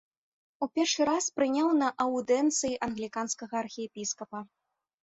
У першы раз прыняў на аўдыенцыі англіканскага архіепіскапа.